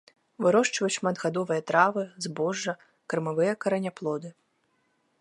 Вырошчваюць шматгадовыя травы, збожжа, кармавыя караняплоды.